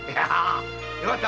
よかった！